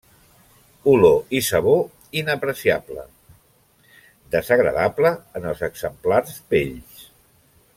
Olor i sabor inapreciable, desagradable en els exemplars vells.